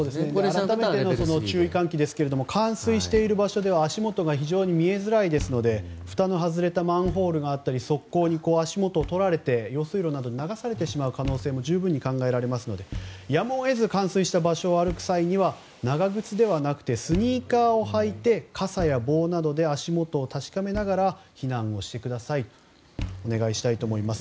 改めて注意喚起ですが冠水している場所では足元が非常に見えづらいですのでふたの外れたマンホールや側溝に足元を取られて、用水路などに流されてしまう可能性も十分に考えられますのでやむを得ず冠水した場所を歩く際には長靴ではなくスニーカーを履いて傘や棒などで足元を確かめながら避難をしてくださいということをお願いしたいと思います。